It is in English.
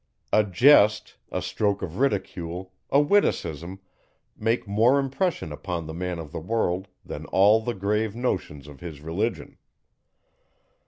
A jest, a stroke of ridicule, a witticism, make more impression upon the man of the world, than all the grave notions of his Religion.